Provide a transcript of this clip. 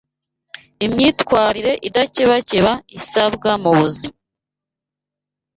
imyitwarire idakebakeba isabwa mu buzima